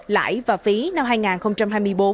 lãi và phí năm hai nghìn hai mươi bốn